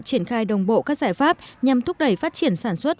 triển khai đồng bộ các giải pháp nhằm thúc đẩy phát triển sản xuất